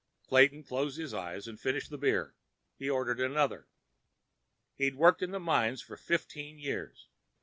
Clayton closed his eyes and finished the beer. He ordered another. He'd worked in the mines for fifteen years.